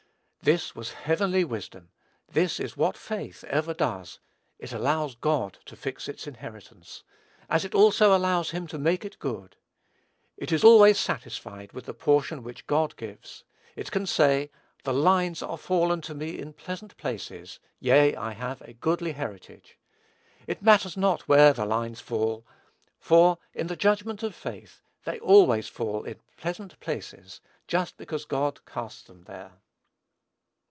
This was heavenly wisdom. This is what faith ever does: it allows God to fix its inheritance, as it also allows him to make it good. It is always satisfied with the portion which God gives. It can say, "the lines are fallen to me in pleasant places; yea, I have a goodly heritage." It matters not where "the lines" fall; for, in the judgment of faith, they always "fall in pleasant places," just because God casts them there.